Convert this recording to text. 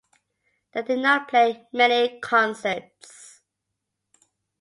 They did not play many concerts.